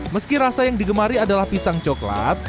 meski rasa yang digemari adalah pisang coklat